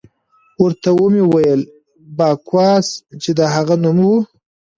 ورته ومې ویل: باکوس، چې د هغه نوم وو.